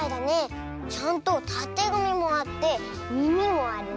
ちゃんとたてがみもあってみみもあるね。